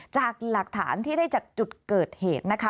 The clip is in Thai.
จากหลักฐานที่ได้จากจุดเกิดเหตุนะคะ